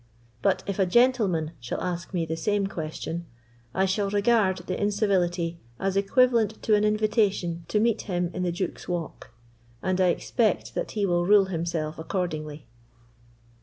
But if a gentleman shall ask me the same question, I shall regard the incivility as equivalent to an invitation to meet him in the Duke's Walk, and I expect that he will rule himself accordingly."